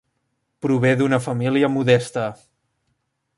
Prové d'una família modesta.